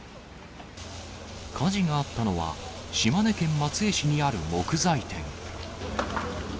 火事があったのは、島根県松江市にある木材店。